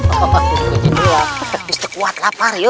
tekis tekis kuat lapar yuk